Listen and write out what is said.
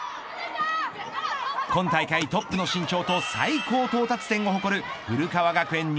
今大会トップの身長と最高到達点を誇る古川学園